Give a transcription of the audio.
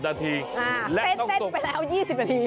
เต้นไปแล้ว๒๐นาที